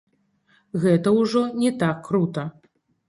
Гэта ўжо не так крута.